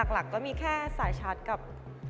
หลักก็มีแค่สายชาร์จกับ